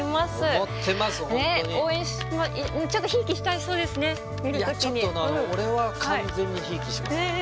いやちょっとあの俺は完全にひいきしますね。